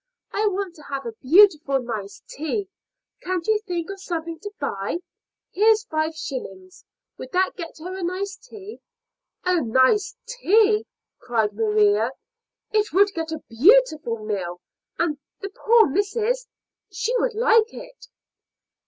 "I want to have a beautiful, nice tea. Can't you think of something to buy? Here's five shillings. Would that get her a nice tea?" "A nice tea!" cried Maria. "It would get a beautiful meal; and the poor missis, she would like it."